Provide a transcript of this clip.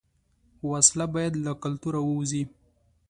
وسله باید له کلتوره ووځي